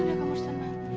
yaudah kamu harus tenang